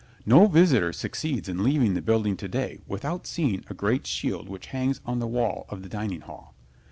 No visitor succeeds in leaving the building to day without seeing a great shield which hangs on the wall of the dining hall.